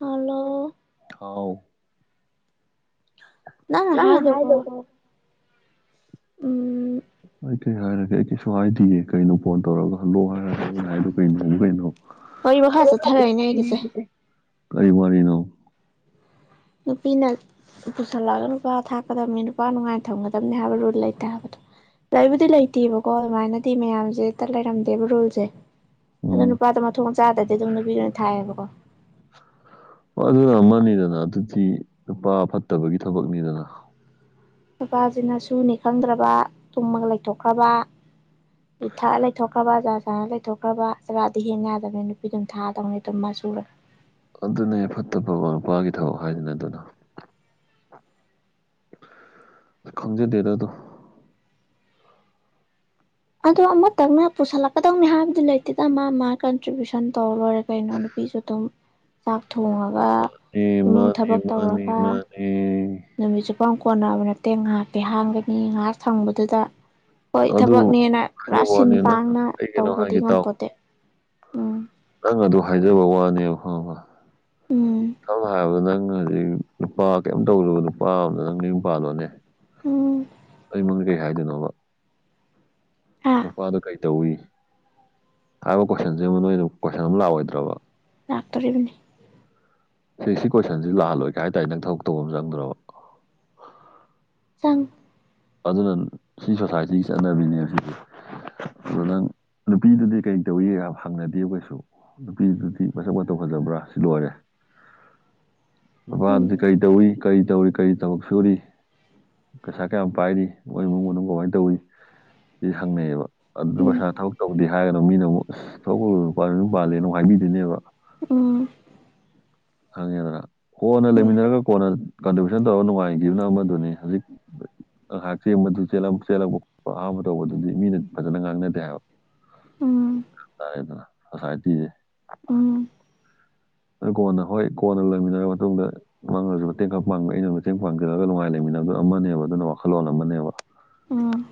Hello ꯊꯥꯎ ꯅꯪꯅ ꯍꯥꯏꯗꯣ ꯀꯣ ꯎꯝ ꯑꯩ ꯀꯩ ꯍꯥꯏꯔꯒꯦ ꯑꯩ ꯀꯩꯁꯨ ꯍꯥꯏꯗꯤꯌꯦ ꯀꯩꯅꯣ ꯐꯣꯟ ꯇꯧꯔꯒ ꯍꯜꯂꫭ ꯍꯥꯏꯔꯒ ꯅꯪꯅ ꯍꯥꯏꯗꯣ ꯀꯩꯅꯣꯕꯨ ꯀꯩꯅꯣ ꯋꯥꯔꯤ ꯃꯈꯥ ꯆꯠꯊꯔꯛꯏꯅꯦ ꯑꯩꯒꯤꯁꯦ [unintelligible] ꯀꯔꯤ ꯋꯥꯔꯤꯅꯣ? ꯅꯨꯄꯤꯅ ꯄꯨꯁꯜꯂꯛꯑꯒ ꯅꯨꯄꯥ ꯊꯥꯛꯀꯗꯕꯅꯤ ꯅꯨꯄꯥ ꯅꯨꯡꯉꯥꯏꯅ ꯊꯝꯒꯗꯕꯅꯤ ꯍꯥꯏꯕ ꯔꯨꯜ ꯂꯩꯇ ꯍꯥꯏꯕꯗꯣ꯫ ꯂꯩꯕꯨꯗꯤ ꯂꯩꯇꯦꯕꯀꯣ ꯑꯗꯨꯃꯥꯏꯅꯗꯤ ꯃꯌꯥꯝꯖꯦ ꯍꯦꯛꯇ ꯂꯩꯔꯝꯗꯦꯕ ꯔꯨꯜꯖꯦ ꯫ ꯑꯗꯣ ꯎꯝ ꯅꯨꯄꯥꯗꯣ ꯃꯊꯣꯡ ꯆꯥꯗ꯭ꯔꯗꯤ ꯑꯗꯨꯝ ꯅꯨꯄꯤꯗꯨ ꯑꯣꯏꯅ ꯊꯥꯏꯌꯦꯕꯀꯣ꯫ ꯍꫭꯏ ꯑꯗꯨꯅ ꯑꯃꯅꯤꯗꯅ ꯑꯗꯨꯗꯤ ꯅꯨꯄꯥ ꯐꯠꯇꯕꯒꯤ ꯊꯕꯛꯅꯤꯗꯅ꯫ ꯅꯨꯄꯥꯖꯤꯅ ꯁꯨꯅꯤ ꯈꯪꯗ꯭ꯔꯕ ꯇꯨꯝꯃꯅ ꯂꯩꯊꯣꯛꯈ꯭ꯔꯕ ꯌꯨ ꯊꯛꯑ ꯂꯩꯊꯣꯛꯈ꯭ꯔꯕ ꯖꯥꯔ ꯁꯥꯔꯅ ꯂꯩꯊꯣꯛꯈ꯭ꯔꯕ ꯆꯖꯔꯥꯗꯤ ꯍꯦꯟꯅ ꯌꯥꯗꯕꯅꯤ ꯅꯨꯄꯤꯗꯨꯝ ꯊꯥꯛꯑꯗꯕꯅꯦ ꯑꯗꯨꯝ ꯃꯥ ꯁꯨꯔ ꯑꯗꯨꯅꯦ ꯐꯠꯇꯕ ꯃꯄꯥꯒꯤ ꯊꯕꯛ ꯍꯥꯏꯗꯨꯅꯦ ꯑꯗꯨꯅ ꯈꯪꯖꯗꯦꯗ ꯑꯗꯣ ꯑꯗꯣ ꯑꯃꯇꯪꯅ ꯄꯨꯁꯜꯂꯛꯀꯗꯧꯅꯤ ꯍꯥꯏꯕꯗꯨ ꯂꯩꯇꯦꯗ ꯃꯥ ꯃꯥ ꯀꯟꯇ꯭ꯔꯤꯕꯌꯨꯁꯟ ꯇꯧꯔ ꯂꯣꯏꯔꯦ ꯀꯩꯅꯣ ꯅꯨꯄꯤꯁꯨ ꯑꯗꯨꯝ ꯆꯥꯛ ꯊꯣꯡꯉ ꯃꯥꯅꯦ ꯃꯥꯅꯦ ꯃꯥꯅꯦ ꯃꯥꯅꯦ ꯅꯨꯃꯤꯠ ꯆꯨꯞꯄꯥꯎ ꯀꯣꯟꯅꯕ ꯅꯠꯇꯦ ꯉꯥꯏꯍꯥꯛꯇꯤ ꯍꯥꯡꯒꯅꯤ ꯉꯥꯏꯍꯥꯛ ꯁꯪꯕꯗꯨꯗ ꯍꯣꯏ ꯑꯗꯨ ꯊꯕꯛꯅꯦꯅ ꯄꯨꯔꯥ ꯍꯥꯏꯖꯕ ꯁꯤꯟ ꯋꯥꯅꯦ ꯅꯪ ꯄꯥꯡꯅ ꯑꯩ ꯀꯩꯅꯣ ꯇꯧꯕꯗꯤ ꯍꯥꯏꯒꯦ ꯇꯥꯎ ꯉꯝꯄꯣꯠꯇꯦ꯫ ꯎꯝ ꯅꯪ ꯑꯗꯨ ꯍꯥꯏꯖꯕ ꯋꯥꯅꯦꯕ ꯈꯪꯉꯕ ꯎꯝ ꯁꯝꯅ ꯍꯥꯏꯔꯕꯗ ꯅꯪ ꯍꯧꯖꯤꯛ ꯅꯨꯄꯥ ꯀꯩꯝ ꯇꯧꯗꯕ ꯅꯨꯄꯥ ꯑꯃꯗ ꯅꯪ ꯅꯌꯨꯝ ꯄꯥꯥꯟꯂꯣꯅꯦ ꯎꯝ ꯑꯩ ꯃꯥꯡꯖꯩ ꯍꯥꯏꯗꯣꯏꯅꯣꯕ ꯍꯥ ꯃꯄꯥꯗꯣ ꯀꯩ ꯇꯧꯏ ꯍꯥꯏꯕ ꯀꯣꯏꯁꯟꯁꯤ ꯑꯃ ꯅꯣꯏꯅ ꯀꯣꯏꯁꯟ ꯑꯃ ꯂꯥꯛꯑꯣꯏꯗ꯭ꯔꯕ ꯂꯥꯛꯇꯣꯔꯤꯕꯅꯤ ꯁꯤ ꯁꯤ ꯀꯣꯏꯁꯟꯁꯤ ꯂꯥꯛꯍꯜꯂꯣꯏꯒꯦ ꯍꯥꯏꯇꯔꯗꯤ ꯅꯪ ꯊꯕꯛ ꯇꯧꯕ ꯑꯃ ꯆꯪꯗ꯭ꯔꯕ ꯆꯪ ꯑꯗꯨꯅ ꯁꯤ ꯁꯣꯁꯥꯏꯇꯤꯒꯤ ꯆꯠꯅꯕꯤꯅꯦ ꯁꯤꯁꯦ ꯑꯗꯣ ꯎꯝ ꯅꯪ ꯅꯨꯄꯤꯗꯨꯗꯤ ꯀꯩ ꯇꯧꯏ ꯍꯪꯅꯗꯦꯕ ꯀꯩꯁꯨ ꯅꯨꯄꯤꯗꯨꯗꯤ ꯃꯁꯛ ꯃꯇꯧ ꯐꯖꯕ꯭ꯔꯥ ꯁꯤ ꯂꯣꯏꯔꯦ [inaudible] ꯅꯨꯄꯥꯗꯨꯗꯤ ꯎꯝ ꯀꯩ ꯇꯧꯏ ꯀꯔꯤ ꯇꯧꯔꯤ ꯀꯔꯤ ꯊꯕꯛ ꯁꯨꯔꯤ ꯄꯩꯁꯥ ꯀꯌꯥꯝ ꯄꯥꯏꯔꯤ ꯃꯣꯏ ꯏꯃꯨꯡ ꯃꯅꯨꯡ ꯀꯃꯥꯏꯅ ꯇꯧꯋꯤ ꯁꯤ ꯍꯪꯅꯩꯌꯦꯕ ꯑꯗꯨꯅ ꯎꯝ ꯄꯩꯁꯥ ꯊꯕꯛ ꯇꯧꯗꯤ ꯍꯥꯏꯒꯅ ꯃꯨꯛ ꯃꯤꯅ ꯑꯃꯨꯛ ꯊꯕꯛ ꯇꯧꯗꯕ ꯅꯨꯄꯥꯗ ꯌꯨꯝ ꯄꯥꯜꯂꯦꯅ ꯑꯃꯨꯛ ꯍꯥꯏꯕꯤꯗꯣꯏꯅꯦꯕ ꯎꯝ ꯈꯪꯉꯦꯗꯅ ꯀꯣꯟꯅ ꯎꯝ ꯂꯩꯃꯤꯟꯅꯔꯒ ꯀꯣꯟꯅ ꯀꯟꯇ꯭ꯔꯤꯕꯌꯨꯁꯟ ꯇꯧꯔꯒ ꯅꯨꯡꯉꯥꯏꯒꯤꯕꯅ ꯑꯃꯗꯨꯅꯤ ꯍꯧꯖꯤꯛ ꯉꯥꯏꯍꯥꯛ ꯆꯦꯡꯕꯗꯨ ꯆꯦꯜꯂꯝꯕ ꯈꯣꯠꯄ ꯑꯍꯥꯟꯕ ꯇꯧꯕꯗꯨꯗꯤ ꯃꯤꯅꯗꯤ ꯐꯖꯅ ꯉꯥꯡꯅꯗꯦ ꯍꯥꯏꯕ ꯎꯝ ꯒꯌ꯭ꯥꯟ ꯇꯔꯦꯗꯅ ꯁꯣꯁꯥꯏꯇꯤꯖꯦ ꯎꯝ ꯀꯣꯟꯅ ꯍꯣꯏ ꯀꯣꯟꯅ ꯂꯩꯃꯤꯟꯅꯔꯕ ꯃꯇꯨꯡꯗ ꯅꯪꯅꯁꯨ ꯃꯇꯦꯡꯈ ꯄꯥꯡꯕ ꯑꯩꯅ ꯃꯇꯦꯡ ꯄꯥꯡꯖꯔꯒ ꯅꯨꯡꯉꯥꯏ ꯂꯩꯃꯤꯟꯅꯕꯗꯨꯅ ꯑꯃꯅꯦꯕ ꯑꯗꯨꯅ ꯋꯥꯈꯜꯂꯣꯟ ꯑꯃꯅꯦꯕ ꯎꯝ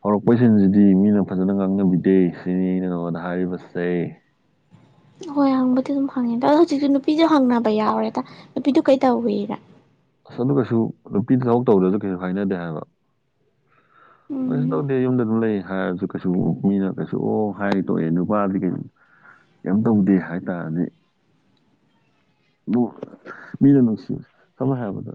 ꯍꯧꯔꯛꯄꯩ ꯁꯤꯟꯁꯤꯗꯤ ꯃꯤꯅ ꯐꯖꯅ ꯉꯥꯡꯅꯕꯤꯗꯦ ꯁꯤꯅꯤ ꯑꯩꯅ ꯅꯉꯣꯟꯗ ꯍꯥꯏꯔꯤꯕꯁꯦ ꯍꯣꯏ ꯍꯪꯕꯗꯤ ꯑꯗꯨꯝ ꯍꯪꯉꯤꯗ ꯑꯗꯣ ꯍꯧꯖꯤꯛꯁꯨ ꯅꯨꯄꯤꯁꯨ ꯍꯪꯅꯕ ꯌꯥꯎꯔꯦꯗ ꯅꯨꯄꯤꯗꯨ ꯀꯩꯗꯧꯋꯤ ꯀꯥꯏ ꯑꯁ ꯑꯗꯨ ꯀꯩꯁꯨ ꯅꯨꯄꯤꯗ ꯊꯕꯛ ꯇꯧꯗꯔꯁꯨ ꯀꯩꯁꯨ ꯍꯥꯏꯅꯗꯦ ꯍꯥꯏꯕ [inaudible] ꯀꯩꯁꯨ ꯇꯧꯗꯦ ꯌꯨꯝꯗ ꯑꯗꯨꯝ ꯂꯩ ꯍꯥꯏꯔꯁꯨ ꯀꯩꯁꯨ ꯃꯤꯅ ꯀꯩꯁꯨ ꯑꯣ ꯍꯥꯏ ꯇꯣꯛꯑꯦ ꯅꯨꯄꯥꯗꯤ ꯀꯩ ꯀꯩꯝ ꯇꯧꯗꯦ ꯍꯥꯏꯇꯥꯔꯗꯤ ꯃꯤꯅ ꯅꯨꯡꯁꯤ ꯁꯝꯅ ꯍꯥꯏꯔꯕꯗ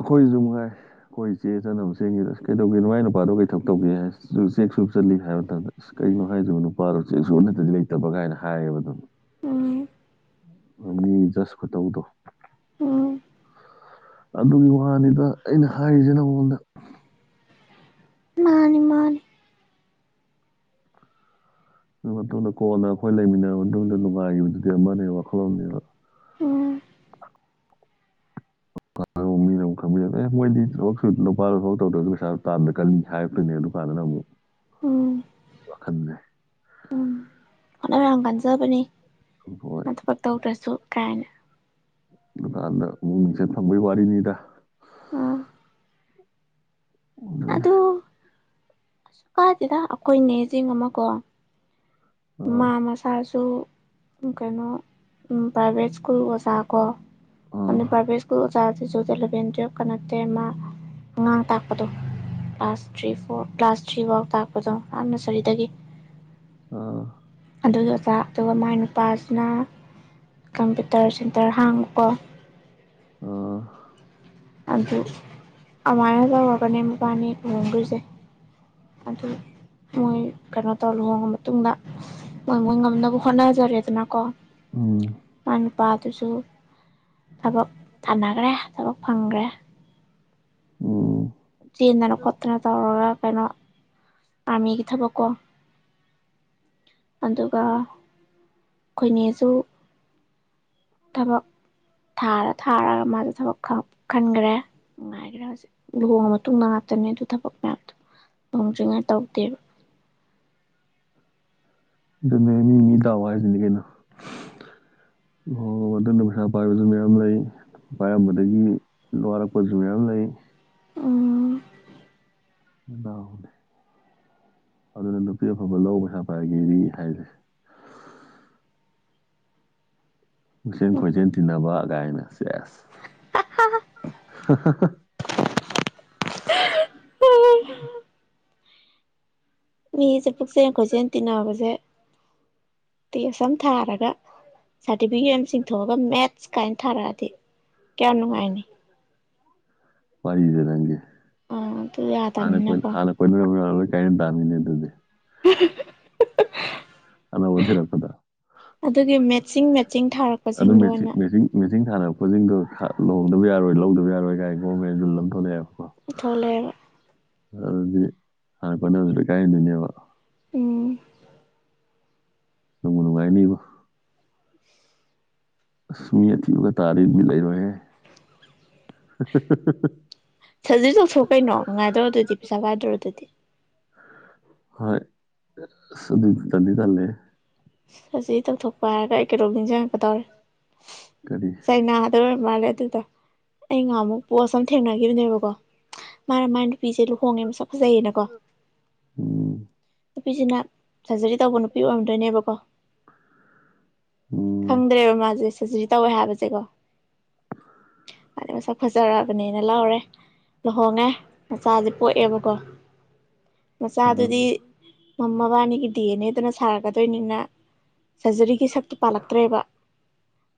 ꯑꯈꯣꯏꯗꯁꯨ ꯃꯉꯥꯏ ꯑꯈꯣꯏ ꯆꯦ ꯏꯆꯟꯅꯕꯨ ꯆꯦꯡꯒꯤꯕꯗ ꯀꯩꯗꯧꯒꯦ ꯃꯥꯏ ꯅꯨꯄꯥꯗꯣ ꯀꯩ ꯊꯕꯛ ꯇꯧꯒꯦ ꯗꯨꯒ ꯆꯦꯛ ꯁꯨꯕ ꯆꯠꯂꯤ ꯍꯥꯏꯕ ꯃꯇꯝꯗ ꯑꯁ ꯀꯩꯒꯤꯅꯣ ꯍꯥꯏꯁꯤꯕꯣ ꯅꯨꯄꯥꯗꯣ ꯆꯦꯛꯁꯨꯕ ꯅꯠꯇꯗꯤ ꯂꯩꯇꯕ ꯀꯥꯏꯅ ꯍꯥꯏꯌꯦꯕ ꯑꯗꯨꯝ ꯎꯝ ꯃꯤ ꯖꯥꯁ ꯈꯨꯇꯧꯗꯣ ꯎꯝ ꯑꯗꯨꯒꯤ ꯋꯥꯅꯤꯗ ꯑꯩꯅ ꯍꯥꯏꯔꯤꯁꯦ ꯅꯉꯣꯟꯗ ꯃꯥꯅꯤ ꯃꯥꯅꯤ ꯑꯗꯨ ꯃꯇꯨꯡꯗ ꯀꯣꯟꯅ ꯑꯈꯣꯏ ꯂꯩꯃꯤꯟꯅꯔꯕ ꯃꯇꯨꯡꯗ ꯅꯨꯡꯉꯥꯏꯈꯤꯕꯗꯨꯗꯤ ꯑꯃꯅꯦ ꯋꯥꯈꯜꯂꯣꯟꯅꯦꯕ ꯎꯝ [inaudible] ꯃꯤꯅ ꯑꯃꯨꯛ ꯈꯪꯕꯤꯔꯛꯑꯦ ꯑꯦ ꯃꯣꯏꯗꯤ ꯊꯕꯛꯁꯨ ꯅꯨꯄꯥꯗꯣ ꯊꯕꯛ ꯇꯧꯗ꯭ꯔꯁꯨ ꯄꯩꯁꯥ ꯇꯥꯟꯕ ꯀꯜꯂꯤ ꯍꯥꯏꯔꯛꯇꯣꯏꯅꯦ ꯑꯗꯨꯀꯥꯟꯗꯅ ꯑꯃꯨꯛ ꯎꯝ ꯋꯈꯟꯁꯦ ꯍꯣꯠꯅꯕ ꯌꯥꯝ ꯀꯟꯖꯕꯅꯤ ꯍꯣꯏ ꯃꯥ ꯊꯕꯛ ꯇꯧꯗ꯭ꯔꯁꯨ ꯀꯥꯏꯅ ꯑꯗꯨꯀꯥꯟꯗ ꯑꯃꯨꯛ ꯃꯤꯡꯆꯠ ꯐꯪꯕꯩ ꯋꯔꯤꯅꯤꯗ ꯎꯝ ꯑꯗꯨꯅꯤ ꯑꯗꯨ ꯀꯥꯏꯗꯦꯗ ꯑꯩꯈꯣꯏꯅꯦꯖꯤꯡ ꯑꯃꯀꯣ ꯑꯥ ꯃꯥ ꯃꯁꯥꯁꯨ ꯀꯩꯅꯣ ꯄ꯭ꯔꯥꯏꯚꯦꯠ ꯁ꯭ꯀꯨꯜ ꯑꯣꯖꯥ ꯀꯣ ꯑ ꯑꯥ ꯄ꯭ꯔꯥꯏꯚꯦꯠ ꯁ꯭ꯀꯨꯜ ꯑꯣꯖꯥ ꯁꯤꯁꯨꯗ ꯑꯦꯂꯚꯦꯟ ꯇꯨꯌꯦꯜꯞꯀ ꯅꯠꯇꯦ ꯃꯥ ꯑꯉꯥꯡ ꯇꯥꯛꯄꯗꯣ class three four class three ꯐꯥꯎ ꯇꯥꯛꯄꯗꯣ ꯑ ꯅꯔꯁꯔꯤꯗꯒꯤ ꯑꯥ ꯑꯗꯨꯒꯤ ꯑꯣꯖꯥ ꯑꯗꯨꯒ ꯃꯥꯏ ꯅꯨꯄꯥꯁꯤꯅ ꯀꯝꯄ꯭ꯌꯨꯇꯔ ꯁꯦꯟꯇꯔ ꯍꯥꯡꯕꯀꯣ ꯑꯥ ꯑꯥ ꯑꯗꯨ ꯑꯃꯥꯏꯅ ꯇꯧꯔꯒꯅꯦ ꯃꯕꯥꯟꯅꯤ ꯂꯨꯍꯣꯡꯈ꯭ꯔꯤꯁꯦ [unintelligible] ꯑꯗꯨ ꯃꯣꯏ ꯀꯩꯅꯣ ꯇꯧꯔ ꯂꯨꯍꯣꯡꯉ ꯃꯇꯨꯡꯗ ꯃꯣꯏ ꯃꯣꯏ ꯉꯝꯅꯕ ꯍꯣꯠꯅꯖꯔꯦꯗꯅꯀꯣ ꯎꯝ ꯃꯥꯏ ꯅꯨꯄꯥꯗꯨꯁꯨ ꯊꯕꯛ ꯊꯥꯅꯈ꯭ꯔꯦ ꯊꯕꯛ ꯐꯪꯈ꯭ꯔꯦ ꯎꯝ ꯆꯦꯟꯗꯅ ꯈꯣꯠꯇꯅ ꯇꯧꯔꯒ ꯀꯩꯅꯣ ꯑꯥꯔꯃꯤꯒꯤ ꯊꯕꯛ ꯀꯣ ꯑꯗꯨꯒ ꯑꯩꯈꯣꯏ ꯅꯦꯁꯨ ꯊꯕꯛ ꯊꯥꯔ ꯊꯥꯔꯒ ꯃꯥꯖꯨ ꯊꯕꯛ ꯈꯟꯈ꯭ꯔꯦ ꯅꯨꯡꯉꯥꯏꯈ꯭ꯔꯦ ꯍꯧꯖꯤꯛ ꯂꯨꯍꯣꯡꯉ ꯃꯇꯨꯡꯗ ꯉꯥꯛꯇꯅꯦ ꯑꯗꯨ ꯊꯕꯛ ꯃꯌꯥꯝꯗꯣ ꯂꯨꯍꯣꯡꯗ꯭ꯔꯤꯉꯩ ꯇꯧꯗꯦꯕ ꯑꯗꯨꯅꯦ ꯃꯤ ꯃꯤ ꯗꯥꯎ ꯍꯥꯏꯖꯤꯅꯤ ꯀꯩꯅꯣ ꯑꯣ ꯑꯗꯨꯅ ꯄꯩꯁꯥ ꯄꯥꯏꯕꯁꯨ ꯃꯌꯥꯝ ꯂꯩ ꯄꯥꯏꯔꯝꯕꯗꯒꯤ ꯋꯥꯔꯛꯄꯖꯨ ꯃꯌꯥꯝ ꯂꯩ ꯎꯝ ꯗꯥꯎꯗꯤ ꯑꯗꯨꯅ ꯅꯨꯄꯤ ꯑꯐꯕ ꯂꯧ ꯄꯩꯁꯥ ꯄꯥꯏꯒꯦꯗꯤ ꯍꯥꯏꯔꯤꯖꯦ ꯄꯨꯛꯆꯦꯟ ꯈꯣꯏꯖꯦꯟ ꯇꯤꯟꯅꯕ ꯒꯥꯏꯅ ꯆꯦꯁ ꯃꯤꯖꯦ ꯄꯨꯛꯆꯦꯟ ꯈꯣꯏꯖꯦꯟ ꯇꯤꯟꯅꯕꯖꯦ ꯇꯦꯁ ꯑꯃ ꯊꯥꯔꯒ ꯁꯥꯗꯤꯕꯤꯒꯦꯠ ꯑꯃ ꯆꯤꯡꯊꯣꯛꯑꯒ ꯃꯦꯠꯁ ꯀꯥꯏꯅ ꯊꯥꯔꯛꯑꯗꯤ ꯀꯌꯥ ꯅꯨꯡꯉꯥꯏꯅꯤ ꯋꯥꯔꯤꯖꯦ ꯅꯪꯒꯤ ꯑꯥ ꯑꯗꯨ ꯍꯥꯟꯅ ꯀꯣꯏ ꯌꯥꯗꯕꯅꯤꯅꯀꯣ ꯍꯥꯟꯅ ꯀꯣꯏꯅꯔꯨꯕ [inaudible] ꯀꯥꯏꯅ ꯇꯥꯝꯅꯤꯅꯦ ꯑꯗꯨꯗꯤ [unintelligible] ꯑꯅꯧꯕ ꯊꯤꯔꯛꯄꯗ ꯑꯗꯨꯒꯤ ꯃꯦꯠꯆꯤꯡ ꯃꯦꯠꯆꯤꯡ ꯑꯗꯨ ꯊꯥꯔꯛꯄꯁꯤꯡꯗꯣ ꯃꯦꯆꯤꯡ ꯑꯣꯏꯅ ꯃꯦꯆꯤꯡ ꯃꯦꯆꯤꯡ ꯊꯥꯅꯔꯛꯄꯁꯤꯡꯗꯣ ꯂꯨꯍꯣꯡꯗꯕ ꯌꯥꯔꯣꯏ ꯂꯧꯗꯕ ꯌꯥꯔꯣꯏ ꯀꯥꯏ ꯒꯣꯚꯔꯃꯦꯟ ꯔꯨꯜ ꯑꯃ ꯊꯣꯛꯂꯛꯑꯦꯕ ꯊꯣꯛꯂꯛꯑꯦꯕ ꯑꯗꯨꯗꯤ ꯍꯥꯟꯅ ꯀꯣꯏꯅꯕ ꯂꯣꯏ ꯀꯥꯏꯅ ꯗꯣꯏꯅꯦꯕ ꯎꯝ ꯅꯨꯡꯕꯨ ꯅꯨꯉꯥꯏꯅꯤꯕꯣ ꯑꯁ ꯃꯤ ꯑꯊꯤꯕꯒ ꯇꯥꯔꯗꯤ ꯕꯤꯠ ꯂꯩꯥꯔꯣꯏꯍꯦ ꯁꯔꯖꯔꯤ ꯇꯧꯊꯣꯛꯑꯣ ꯀꯩꯅꯣ ꯅꯨꯉꯥꯏꯗꯣꯔꯗꯨꯗꯤ ꯄꯩꯁꯥ ꯄꯥꯏꯗꯣꯔꯗꯨꯗꯤ ꯍꯣꯏ ꯑꯁ ꯑꯗꯨ ꯇꯟꯗꯤ ꯇꯜꯂꯦ ꯁꯔꯖꯔꯤ ꯇꯧꯊꯣꯛꯄ ꯍꯥꯏꯔꯒ ꯑꯩ ꯀꯩꯅꯣꯝꯃ ꯅꯤꯡꯖꯪ ꯉꯛꯀꯗꯧꯔꯦ ꯀꯔꯤ ꯆꯩꯅꯥꯗ ꯑꯣꯏꯔ ꯃꯥꯜꯂꯦ ꯑꯗꯨꯗꯣ ꯑꯩ ꯉꯍꯥꯃꯨꯛ ꯄꯣꯠꯁ ꯑꯃ ꯊꯦꯡꯅꯒꯤꯕꯅꯦꯕꯀꯣ ꯃꯥꯅ ꯃꯥꯏ ꯅꯨꯄꯤꯖꯦ ꯂꯨꯍꯣꯡꯉꯦ ꯃꯁꯛ ꯐꯖꯩꯌꯦꯅꯀꯣ ꯎꯝ ꯅꯨꯄꯤꯖꯤꯅ ꯁꯔꯖꯔꯤ ꯇꯧꯕ ꯅꯨꯄꯤ ꯑꯣꯏꯔꯝꯗꯣꯏꯅꯦꯕ ꯀꯣ ꯎꯝ ꯈꯪꯗ꯭ꯔꯦꯕ ꯃꯥꯖꯦ ꯁꯔꯖꯔꯤ ꯇꯧꯋꯦ ꯍꯥꯏꯕꯖꯦ ꯀꯣ ꯃꯁꯛ ꯐꯖꯔꯕꯅꯦꯅ ꯂꯧꯔꯦ ꯂꯨꯍꯣꯡꯉꯦ ꯃꯆꯥꯖꯦ ꯄꯣꯛꯑꯦꯕꯀꯣ ꯑ ꯃꯆꯥꯗꯨꯗꯤ ꯃꯕꯥꯅꯤꯒꯤ ꯗꯤ ꯑꯦꯟ ꯅꯦ ꯗꯨꯅ ꯁꯥꯔꯛꯀꯗꯣꯏꯅꯤꯅ ꯁꯔꯖꯔꯤꯒꯤ ꯁꯛꯇꯨ ꯄꯥꯜꯂꯛꯇ꯭ꯔꯦꯕ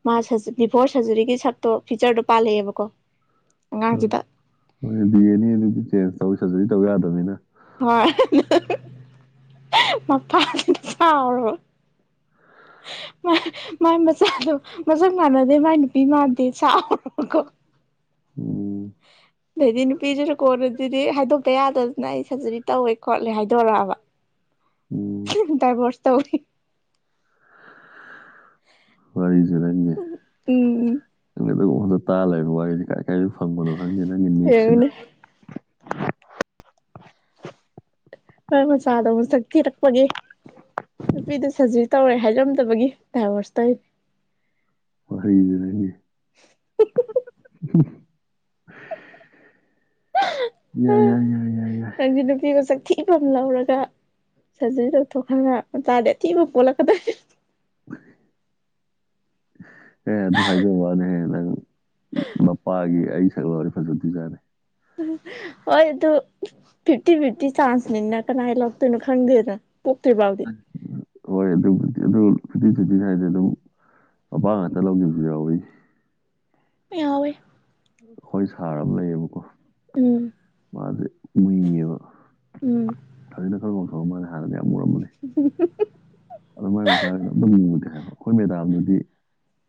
ꯃꯥ ꯁꯖꯥ ꯗꯤꯐꯣꯔꯁ ꯁꯔꯖꯔꯤꯒꯤ ꯁꯛꯇꯣ ꯐꯤꯆꯔꯗ ꯄꯥꯜꯂꯛꯑꯦꯕꯀꯣ ꯑ ꯑꯉꯥꯡꯖꯤꯗ ꯍꯣꯏ ꯗꯤ ꯌꯦ ꯅꯦ ꯑꯗꯨꯗꯤ ꯆꯦꯟꯖ ꯇꯧ ꯁꯔꯖꯔꯤ ꯇꯧ ꯌꯥꯗꯕꯅꯤꯅ ꯍꯣꯏ ꯃꯄꯥꯖꯤꯅ ꯁꯥꯎꯔꯕ [unintelligible] ꯃꯥꯏ ꯃꯆꯥꯗ ꯃꯁꯛ ꯃꯥꯟꯅꯗꯦ ꯃꯥꯏ ꯅꯨꯄꯤ ꯃꯥꯟꯗꯦ ꯁꯥꯎꯔꯕꯀꯣ ꯎꯝ ꯑꯗꯩꯗꯤ ꯅꯨꯄꯤꯖꯤꯅ ꯀꯣꯟꯅꯗꯗꯤ ꯍꯥꯏꯗꯣꯛ ꯇꯌꯥꯗꯗꯅ ꯑꯩ ꯁꯔꯖꯔꯤ ꯇꯧꯋꯦ ꯈꯣꯠꯂꯦ ꯍꯥꯏꯗꯣꯔꯛꯑꯕ ꯎꯝ ꯗꯥꯏꯕ꯭ꯔꯣꯁ ꯇꯧꯋꯦ ꯋꯥꯔꯤꯖꯦ ꯅꯪꯒꯤ ꯑꯗꯨꯒꯨꯝꯕꯗ ꯇꯥꯔ ꯂꯩꯔꯕ ꯋꯥꯔꯤꯖꯦ ꯀꯥꯏ ꯀꯥꯏꯗꯩ ꯐꯪꯕꯅꯣ ꯈꯪꯗꯦ ꯅꯪꯒꯤ ꯅ꯭ꯌꯨꯁꯁꯤꯅ ꯌꯦꯡꯉꯨꯅꯦ ꯃꯥꯏ ꯃꯆꯥꯗꯣ ꯃꯁꯛ ꯊꯤꯔꯛꯄꯒꯤ ꯅꯨꯄꯤꯗꯣ ꯁꯔꯖꯔꯤ ꯇꯧꯔꯦ ꯍꯥꯏꯔꯝꯗꯕꯒꯤ ꯗꯥꯏꯚꯣꯔꯁ ꯇꯧꯋꯤꯟ ꯋꯥꯔꯤꯖꯦ ꯅꯪꯒꯤ [unintelligible] ꯎꯝ ꯌꯥꯏ ꯌꯥꯏ ꯌꯥꯏ ꯌꯥꯏ ꯅꯪꯗꯤ ꯅꯨꯄꯤ ꯃꯁꯛ ꯊꯤꯕ ꯑꯃ ꯂꯧꯔꯒ ꯁꯖꯔꯤ ꯇꯧꯊꯣꯛꯈ꯭ꯔꯒ ꯃꯆꯥꯗꯤ ꯑꯊꯤꯕ ꯄꯣꯛꯂꯛꯀꯗꯣꯏꯟ ꯍꯦ ꯑꯗꯨ ꯍꯥꯏꯖꯕꯋꯥꯅꯦ ꯍꯦ ꯅꯪ ꯃꯄꯥꯒꯤ ꯑꯩ ꯁꯛ ꯂꯧꯔꯗꯤ ꯐꯖꯗꯣꯏꯖꯠꯅꯦ ꯍꯣꯏ ꯑꯗꯨ ꯐꯤꯐꯇꯤ ꯐꯤꯐꯇꯤ ꯆꯥꯟꯁꯅꯤ ꯅꯠ ꯀꯅꯥꯏ ꯂꯧꯔꯛꯇꯣꯏꯅꯣ ꯈꯪꯗꯦꯅ ꯄꯣꯛꯇ꯭ꯔꯤ ꯕꯥꯎ ꯍꯣꯏ ꯑꯗꯨꯕꯨꯗꯤ ꯑꯗꯨ [unintelligible] ꯍꯥꯏꯖꯦ ꯑꯗꯨꯝ ꯃꯄꯥ ꯉꯥꯛꯇ ꯂꯧꯒꯤꯕꯖꯨ ꯌꯥꯎꯋꯤ ꯌꯥꯎꯋꯦ ꯑꯈꯣꯏ ꯁꯥꯔ ꯑꯃ ꯂꯩꯌꯦꯕꯀꯣ ꯎꯝ ꯃꯖꯦ ꯏꯌꯦꯕ ꯎꯝ ꯍꯧꯖꯤꯛꯅ ꯈꯔ ꯉꯧꯊꯣꯛꯑꯝꯃꯅꯤ ꯍꯥꯅꯗꯤ ꯌꯥꯝ ꯃꯨꯔꯝꯕꯅꯤ [unintelligible] ꯑꯗꯣ ꯃꯥꯏ ꯃꯆꯥꯖꯤꯡꯗꯣ ꯑꯗꯨꯝꯇ ꯃꯨꯗꯦ ꯍꯥꯏꯕ ꯑꯈꯣꯏ ꯃꯦꯗꯥꯝꯗꯨꯗꯤ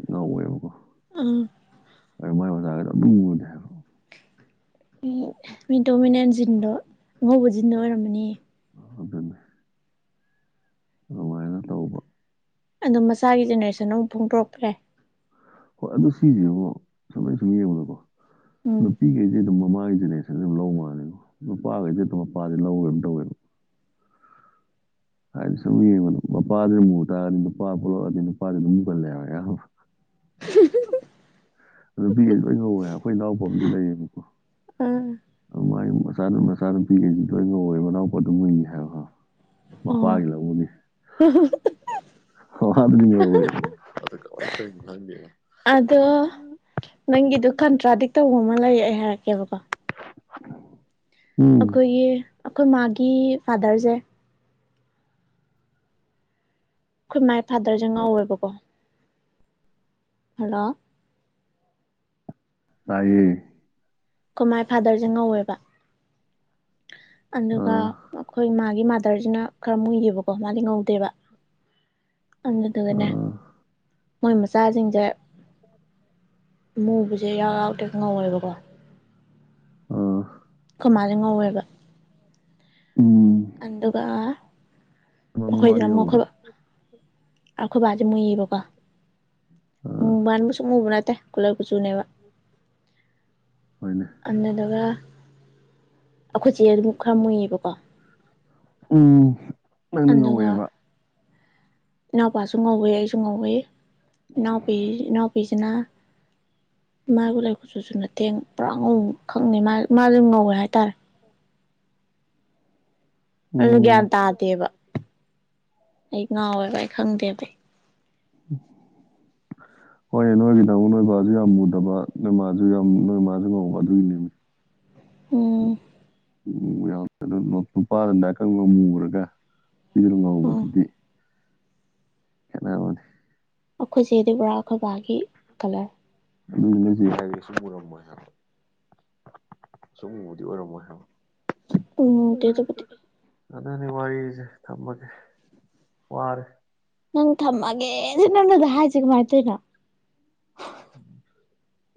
ꯉꯧꯋꯦꯕꯀꯣ ꯎꯝ ꯑꯗꯣ ꯃꯥꯏ ꯃꯆꯥꯉꯩꯗꯣ ꯑꯝꯇ ꯃꯨꯗꯦ ꯍꯥꯏꯕ ꯃꯤ ꯃꯤ ꯗꯣꯃꯤꯅꯦꯟꯖꯤꯟꯗꯣ ꯑꯉꯧꯕ ꯖꯤꯟꯗꯣ ꯑꯣꯏꯔꯝꯃꯅꯤ ꯑꯗꯨꯅꯦ ꯑꯗꯨꯃꯥꯏꯅ ꯇꯧꯕ ꯑꯗꯣ ꯃꯆꯥꯒꯤ ꯖꯦꯅꯦꯔꯦꯁꯟꯅ ꯑꯃꯨꯛ ꯐꯣꯡꯗꯣꯔꯛꯈ꯭ꯔꯦ ꯍꯣꯏ ꯑꯗꯨ ꯁꯤꯖꯤꯕꯨ ꯁꯨꯝ ꯑꯩꯅ ꯁꯨꯝ ꯌꯦꯡꯕꯗꯀꯣ ꯎꯝ ꯅꯨꯄꯤꯒꯩꯖꯦ ꯑꯗꯨꯝ ꯃꯃꯥꯏ ꯖꯦꯅꯦ ꯁꯤ ꯑꯗꯨꯝ ꯂꯧꯃꯥꯜꯂꯦꯅ ꯅꯨꯄꯥꯒꯩꯖꯦ ꯃꯄꯥꯖꯦ ꯂꯧꯕ꯭ꯔꯥ ꯀꯩꯅꯣꯝ ꯇꯧꯋꯦꯕ ꯍꯥꯏꯗꯤ ꯁꯨꯝ ꯌꯦꯡꯕꯗ ꯃꯄꯥꯗꯨꯅ ꯃꯨꯇꯔꯗꯤ ꯅꯨꯄꯥ ꯄꯣꯛꯂꯛꯑꯗꯤ ꯅꯨꯄꯥꯖꯦ ꯑꯗꯨꯝ ꯃꯨꯒꯜꯂꯦ ꯑꯌꯝꯕ [unintelligible] ꯅꯨꯄꯤꯒꯩꯖꯦ ꯂꯣꯏ ꯉꯧꯋꯦ ꯑꯩꯈꯣꯏ ꯏꯅꯥꯎꯄ ꯑꯖꯨ ꯂꯩꯌꯦꯕꯀꯣ ꯎꯝ ꯃꯆꯥꯅ ꯃꯆꯥ ꯅꯨꯄꯤꯒꯩꯗꯤ ꯂꯣꯏ ꯉꯧꯋꯦ ꯃꯅꯥꯎꯄꯥꯗꯨ ꯃꯨꯏ ꯍꯥꯏꯕ ꯈꯥꯕ ꯑꯣ ꯃꯄꯥꯒꯤ ꯂꯧꯅꯤ ꯑꯗꯣ [inaudible] ꯅꯪꯒꯤꯗꯣ ꯀꯟꯇ꯭ꯔꯥꯗꯤꯛ ꯇꯧꯕ ꯑꯃ ꯂꯩꯌꯦ ꯑꯩ ꯍꯥꯏꯔꯛꯀꯦꯕꯀꯣ ꯎꯝ ꯑꯩꯈꯣꯏꯒꯤ ꯑꯩꯈꯣꯏ ꯃꯥꯒꯤ ꯐꯥꯗꯔꯖꯦ ꯑꯈꯣꯏ ꯃꯥꯏ ꯐꯥꯗꯔꯖꯦ ꯉꯧꯋꯦꯕꯀꯣ ꯍꯜꯂꯣ ꯇꯥꯏꯌꯦ ꯈꯣꯏ ꯃꯥꯏ ꯐꯥꯗꯔꯖꯦ ꯉꯧꯋꯦꯕ ꯑꯗꯨꯒ ꯑꯥ ꯑꯈꯣꯏ ꯃꯥꯒꯤ ꯃꯥꯗꯔꯖꯤꯅ ꯈꯔ ꯃꯨꯏꯌꯦꯕꯀꯣ ꯃꯥꯗꯤ ꯉꯧꯗꯦꯕ ꯑꯗꯨꯗꯨꯒꯅꯦ ꯑꯥ ꯃꯣꯏ ꯃꯆꯥꯖꯤꯡꯖꯦ ꯃꯨꯕꯖꯦ ꯌꯥꯎꯗꯦ ꯉꯧꯋꯦꯕꯀꯣ ꯑꯣ ꯈꯣꯏ ꯃꯥꯖꯦ ꯉꯧꯋꯦꯕ ꯎꯝ ꯑꯗꯨꯒ ꯃꯃꯥꯗꯤ ꯑꯩꯈꯣꯏꯖꯤꯅ ꯃꯨꯛ ꯉꯧꯕ꯭ꯔꯥ ꯈꯕ ꯑꯈꯣꯏ ꯕꯥꯖꯦ ꯃꯨꯏꯌꯦꯕꯀꯣ ꯑꯥ ꯃꯨꯕꯅ ꯃꯨꯁꯨꯛ ꯃꯨꯕ ꯅꯠꯇꯦ ꯀꯨꯂꯩ ꯀꯨꯆꯨꯅꯦꯕ ꯍꯣꯏꯅꯦ ꯑꯗꯨꯗꯨꯒ ꯑꯈꯣꯏꯆꯦ ꯑꯃꯨꯛ ꯈꯔ ꯃꯨꯏꯌꯦꯕꯀꯣ ꯎꯝ ꯅꯪꯅ ꯑꯗꯨꯒ ꯉꯧꯋꯦꯕ ꯏꯅꯥꯎꯄꯥꯁꯨ ꯉꯧꯋꯦ ꯑꯩꯁꯨ ꯉꯧꯋꯤ ꯏꯅꯥꯎꯄꯤ ꯏꯅꯥꯎꯄꯤꯖꯤꯅ ꯃꯥ ꯀꯨꯂꯩ ꯀꯨꯆꯨꯁꯨ ꯅꯠꯇꯦ ꯄꯨꯔꯥ ꯉꯧ ꯈꯪꯗꯦ ꯃꯥ ꯃꯥꯖꯨ ꯉꯧꯋꯦ ꯍꯥꯏꯇꯥꯔꯦ ꯑꯗꯨ ꯒ꯭ꯌꯥꯟ ꯎꯝ ꯇꯥꯗꯦꯕ ꯑꯩ ꯉꯥꯎꯋꯦꯕ ꯑꯩ ꯈꯪꯗꯦꯕ ꯑꯩ [inaudible] ꯍꯣꯏ ꯅꯣꯏꯒꯤꯗ ꯑꯃꯨꯛ ꯅꯣꯏ ꯕꯥꯖꯨ ꯌꯥꯝ ꯃꯨꯗꯕ ꯅꯣꯏ ꯃꯥꯁꯨ ꯌꯥꯝ ꯅꯣꯏ ꯃꯥꯖꯨ ꯉꯧꯕ ꯑꯗꯨꯒꯤꯅꯤꯅꯦ ꯎꯝ [unintelligible] ꯃꯨꯔꯒ [unintelligible] ꯎꯝ ꯉꯧꯕꯗꯨꯗꯤ ꯈꯦꯟꯅꯕꯅꯦ ꯑꯈꯣꯏꯆꯦꯗꯤ ꯄꯨꯔꯥ ꯑꯈꯣꯏ ꯕꯥꯒꯤ ꯀꯂꯔ [unintelligible] ꯃꯨꯔꯝꯃꯣꯏ ꯍꯥꯏꯕ ꯁꯨꯛ ꯃꯨꯕꯗꯤ ꯑꯣꯏꯔꯝꯃꯣꯏ ꯍꯥꯏꯕ ꯎꯝꯇꯦ ꯑꯗꯨꯕꯨꯗꯤ ꯑꯗꯨꯅꯤ ꯋꯥꯔꯤꯖꯦ ꯊꯝꯃꯒꯦ ꯋꯥꯔꯦ ꯅꯪ ꯊꯝꯃꯒꯦ ꯖꯤ ꯅꯪꯅꯗ ꯍꯥꯏꯖꯦ ꯀꯃꯥꯏ ꯇꯧꯏꯅꯣ [inaudible]